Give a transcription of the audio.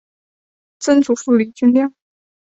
曾祖父李均亮。